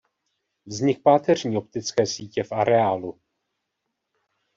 Vznik páteřní optické sítě v areálu.